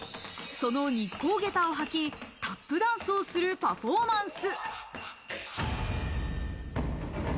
その日光下駄を履きタップダンスをするパフォーマンス。